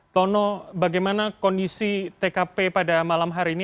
tono bagaimana kondisi tkp pada malam hari ini